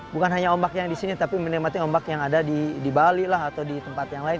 bukan hanya ombak yang di sini tapi menikmati ombak yang ada di bali lah atau di tempat yang lain